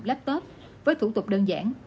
laptop với thủ tục đơn giản